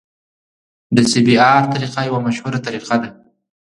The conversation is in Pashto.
د سی بي ار طریقه یوه مشهوره طریقه ده